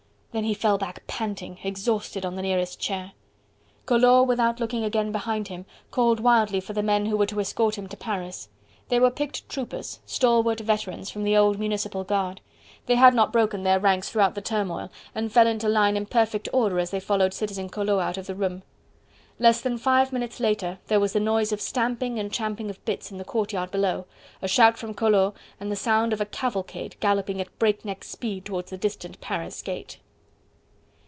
Then he fell back panting, exhausted on the nearest chair. Collot, without looking again behind him, called wildly for the men who were to escort him to Paris. They were picked troopers, stalwart veterans from the old municipal guard. They had not broken their ranks throughout the turmoil, and fell into line in perfect order as they followed Citizen Collot out of the room. Less than five minutes later there was the noise of stamping and champing of bits in the courtyard below, a shout from Collot, and the sound of a cavalcade galloping at break neck speed towards the distant Paris gate.